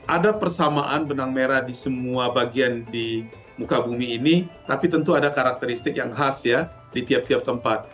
ada persamaan benang merah di semua bagian di muka bumi ini tapi tentu ada karakteristik yang khas ya di tiap tiap tempat